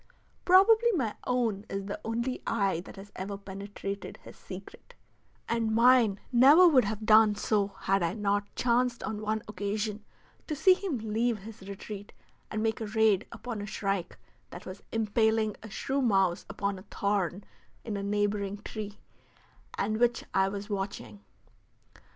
Probably my own is the only eye that has ever penetrated his secret, and mine never would have done so had I not chanced on one occasion to see him leave his retreat and make a raid upon a shrike that was impaling a shrew mouse upon a thorn in a neighboring tree and which I was watching.